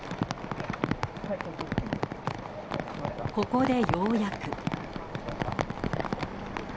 ここで、ようやく。